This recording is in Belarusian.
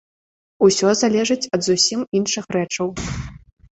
Усё залежыць ад зусім іншых рэчаў.